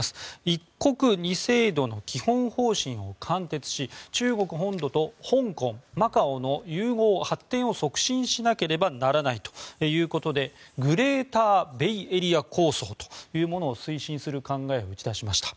一国二制度の基本方針を貫徹し中国本土と香港、マカオの融合発展を促進しなければならないということでグレーターベイエリア構想というものを推進する考えを打ち出しました。